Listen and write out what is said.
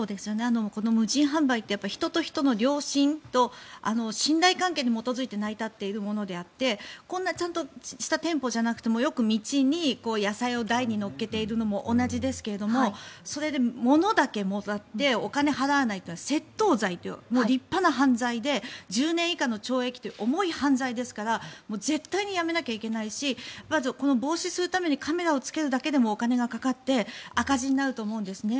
この無人販売って人と人との良心と信頼関係に基づいて成り立っているものであってこんなちゃんとした店舗じゃなくてもよく道に野菜を台に載っけているのも同じですけどそれで物だけもらってお金を払わないというのは窃盗罪という立派な犯罪で１０年以下の懲役という重い犯罪ですから絶対にやめなきゃいけないしまず防止するためにカメラをつけるだけでもお金がかかって赤字になると思うんですね。